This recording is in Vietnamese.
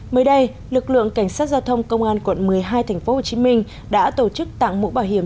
mới đây lực lượng cảnh sát giao thông công an quận một mươi hai tp hcm đã tổ chức tặng mũ bảo hiểm